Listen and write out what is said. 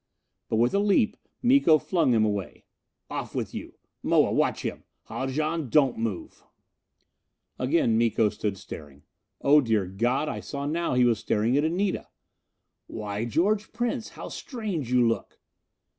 But with a leap Miko flung him away. "Off with you! Moa, watch him! Haljan, don't move!" [C] About fifty miles. Again Miko stood staring. Oh dear God, I saw now that he was staring at Anita! "Why George Prince! How strange you look!"